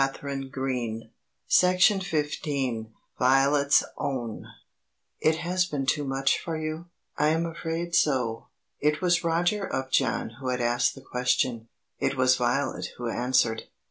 END OF PROBLEM VIII PROBLEM IX. VIOLET'S OWN "It has been too much for you?" "I am afraid so." It was Roger Upjohn who had asked the question; it was Violet who answered.